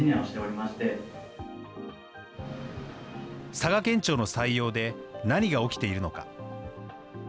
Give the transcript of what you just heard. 佐賀県庁の採用で何が起きているのか。